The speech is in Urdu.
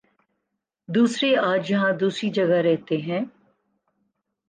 دوسرے آج یہاں دوسری جگہ رہتے ہیں